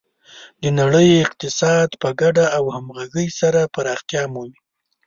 د نړۍ اقتصاد په ګډه او همغږي سره پراختیا مومي.